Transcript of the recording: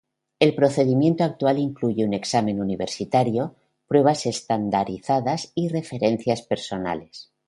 El procedimiento actual incluye un examen universitario, pruebas estandarizadas y referencias personales.